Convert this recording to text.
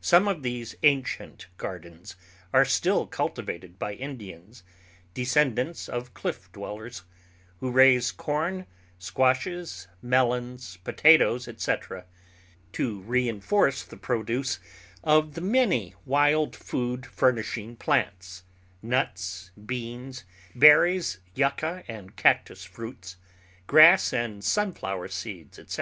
Some of these ancient gardens are still cultivated by Indians, descendants of cliff dwellers, who raise corn, squashes, melons, potatoes, etc., to reinforce the produce of the many wild food furnishing plants—nuts, beans, berries, yucca and cactus fruits, grass and sunflower seeds, etc.